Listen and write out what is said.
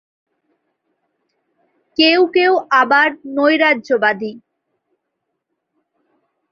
কেউ কেউ আবার নৈরাজ্যবাদী।